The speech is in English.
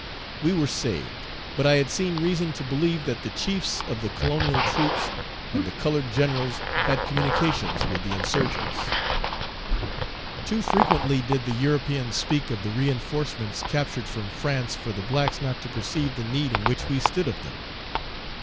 We were saved. But I had seen reason to believe that the chiefs of the colonial troops and the colored generals had communications with the insurgents. Page 252 "Too frequently did the Europeans speak of the reinforcements captured from France for the blacks not to perceive the need in which we stood of them."